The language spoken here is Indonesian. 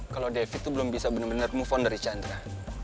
kalo devi tuh belum bisa move on dari chandra